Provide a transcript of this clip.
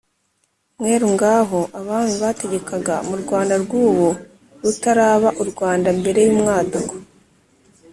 mweru. ngabo abami bategekaga mu rwanda rw’ubu rutaraba u rwanda, mbere y’umwaduko